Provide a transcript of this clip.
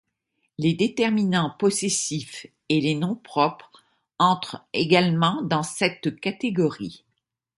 Les déterminants possessifs et les noms propres entrent également dans cette catégorie.